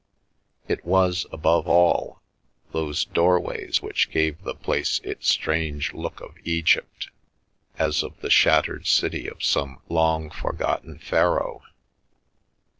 It was, above all, those doorways which gave the place its strange look of Egypt, as of the shattered city of some long forgotten Pharaoh.